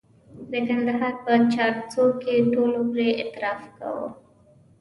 د کندهار په چارسو کې ټولو پرې اعتراف کاوه.